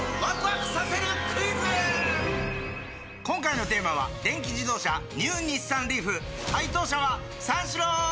今回のテーマは電気自動車ニュー日産リーフ解答者は三四郎！